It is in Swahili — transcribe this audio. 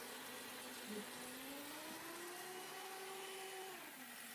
Huduma za Afya ya Mifugo